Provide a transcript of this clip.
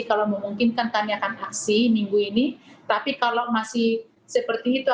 kalau memungkinkan kami akan aksi minggu ini tapi kalau masih seperti itu